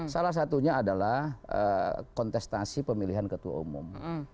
salah satunya adalah kontestasi pemilihan ketua umum